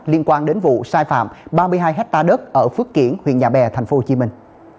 liên quan đến vụ sai phạm ba mươi hai hectare đất ở phước kiển huyện nhà bè thành phố hồ chí minh